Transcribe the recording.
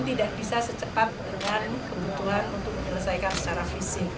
tidak bisa secepat dengan kebutuhan untuk diselesaikan secara fisik